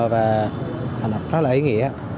và hành động rất là ý nghĩa